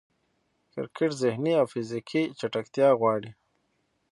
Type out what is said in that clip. کرکټ ذهني او فزیکي چټکتیا غواړي.